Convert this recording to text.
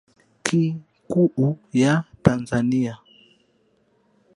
ki kuu ya tanzania